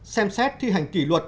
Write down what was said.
xem xét thi hành kỷ luật